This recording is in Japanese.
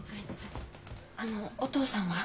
あのお父さんは？